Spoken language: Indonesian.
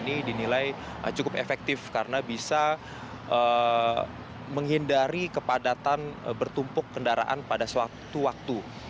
ini dinilai cukup efektif karena bisa menghindari kepadatan bertumpuk kendaraan pada suatu waktu